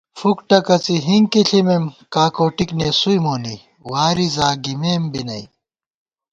فُک ٹکَڅی ہِنکی ݪِمېم کاکوٹِک نېسُوئی مونی، واری زاگِمېم بی نئ